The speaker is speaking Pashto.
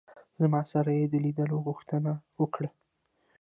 زما سره یې د لیدلو غوښتنه وکړه.